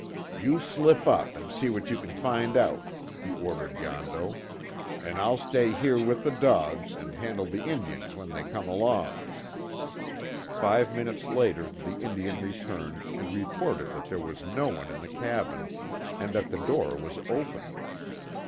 "You slip up and see what you kin find out," he ordered Yondo, "An' I'll stay here with the dogs an' handle the Injuns when they come along." Five minutes later the Indian returned and reported that there was no one in the cabin, and that the door was open.